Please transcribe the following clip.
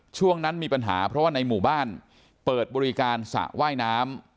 ช่วงนั้นมีปัญหาเพราะว่าในหมู่บ้านเปิดบริการสระว่ายน้ำ